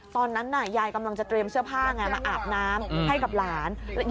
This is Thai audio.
ตอนนั้นยายกำลังจะเตรียมเสื้อผ้ามาอาบน้ำ